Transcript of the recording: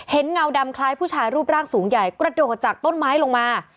เงาดำคล้ายผู้ชายรูปร่างสูงใหญ่กระโดดจากต้นไม้ลงมา